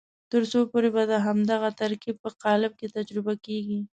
تر څو پورې به د همدغه ترکیب په قالب کې تجربې کېږي.